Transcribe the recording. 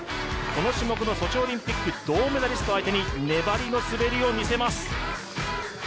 この種目のソチオリンピック銅メダリスト相手に粘りの滑りを見せます。